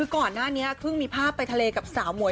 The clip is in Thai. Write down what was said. ก่อนหน้านี้เพิ่งมีภาพไปทะเลกับสาวหมวย